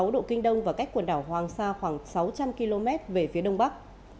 một trăm một mươi sáu độ kinh đông và cách quần đảo hoàng sa khoảng sáu trăm linh km về phía đông bắc